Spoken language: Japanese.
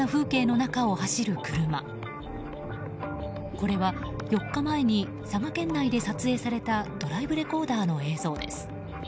これは４日前に佐賀県内で撮影されたドライブレコーダーの映像です。